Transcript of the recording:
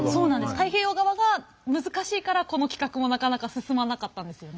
太平洋側が難しいからこの企画もなかなか進まなかったんですよね。